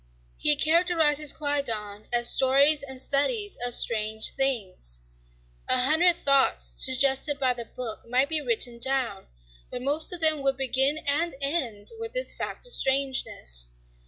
He characterizes Kwaidan as "stories and studies of strange things." A hundred thoughts suggested by the book might be written down, but most of them would begin and end with this fact of strangeness.